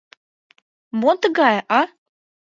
— Мо тыгае, а?